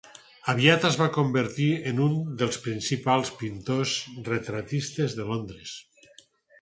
Aviat es va convertir en un dels principals pintors retratistes de Londres.